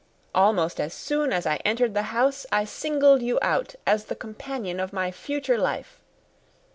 Almost as soon as I entered the house I singled you out as the companion of my future life.